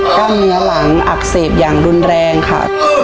กล้ามเนื้อหลังอักเสบอย่างรุนแรงค่ะ